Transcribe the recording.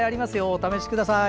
お試しください。